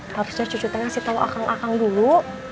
harusnya cucu tanya si talo akang akang dulu